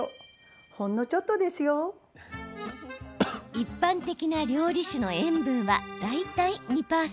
一般的な料理酒の塩分は大体２％。